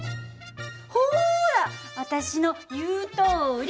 ほら私の言うとおり！